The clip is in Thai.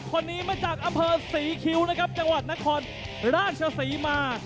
คนนี้มาจากอำเภอศรีคิ้วนะครับจังหวัดนครราชศรีมา